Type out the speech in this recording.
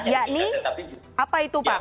yakni apa itu pak